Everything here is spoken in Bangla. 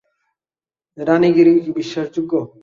রানি, গিরি কি বিশ্বাসযোগ্য?